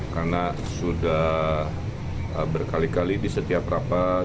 karena sudah berkali kali di setiap rapat